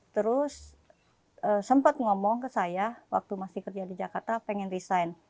terus sempat ngomong ke saya waktu masih kerja di jakarta pengen resign